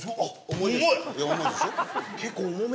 いや重いでしょ。